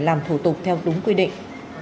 làm thủ tục theo đúng quy định